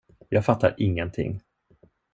Jag fattar ingenting.